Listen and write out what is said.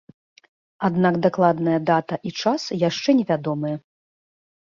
Аднак дакладная дата і час яшчэ невядомыя.